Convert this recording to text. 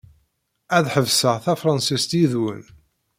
Ad ḥebseɣ tafṛansit yid-wen.